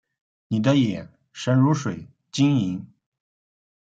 你的眼神如水晶莹